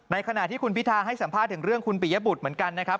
ขณะที่คุณพิธาให้สัมภาษณ์ถึงเรื่องคุณปิยบุตรเหมือนกันนะครับ